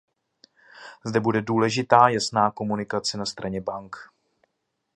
Zde bude důležitá jasná komunikace na straně bank.